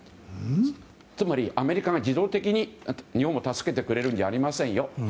つまり、アメリカが自動的に日本を助けてくれるんじゃありませんよ。